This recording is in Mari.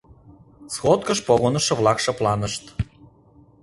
Сходкыш погынышо-влак шыпланышт.